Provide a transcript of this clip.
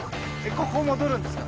ここ戻るんですか？